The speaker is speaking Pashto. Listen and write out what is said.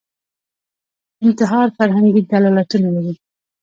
انتحار فرهنګي دلالتونه لري